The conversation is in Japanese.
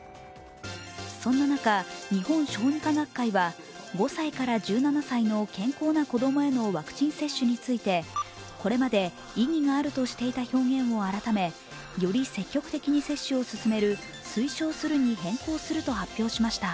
そんな中、日本小児科学会は５歳から１７歳の健康な子供へのワクチン接種についてこれまで意義があるとしていた表現を改めより積極的に接種を勧める推奨するに変更すると発表しました。